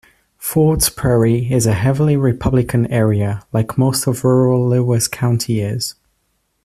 Fords Prairie is a heavily Republican area, like most of rural Lewis County is.